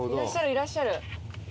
いらっしゃる。